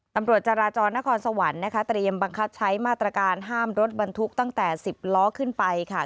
ตำรวจจราจรนครสวรรค์นะคะเตรียมบังคับใช้มาตรการห้ามรถบรรทุกตั้งแต่๑๐ล้อขึ้นไปค่ะ